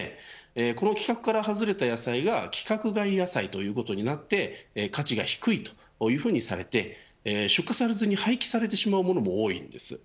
この規格から外れた野菜が規格外野菜ということになって価値が低いということにされて出荷されずに廃棄されてしまうものも多いです。